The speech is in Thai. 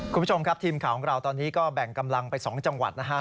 คุณผู้ชมครับทีมข่าวของเราตอนนี้ก็แบ่งกำลังไป๒จังหวัดนะฮะ